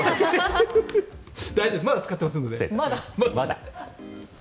まだ使ってませんので。